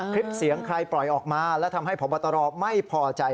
คลิปเสียงใครปล่อยออกมาและทำให้พบตรไม่พอใจ